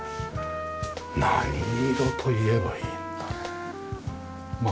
何色といえばいいんだろう？